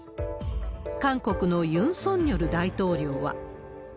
韓国のユン・ソンニョル大統領は。